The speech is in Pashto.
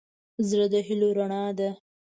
زړه د هيلو رڼا ده.